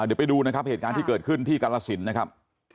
เดี๋ยวไปดูนะครับเหตุการณ์ที่เกิดขึ้นที่กรสินนะครับ